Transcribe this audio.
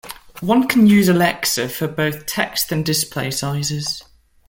One can use Alexa for both text and display sizes.